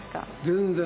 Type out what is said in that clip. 全然。